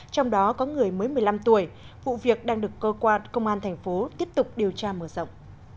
trong đó có người mới một mươi năm tuổi vụ việc đang được cơ quan công an thành phố tiếp tục điều tra mở rộng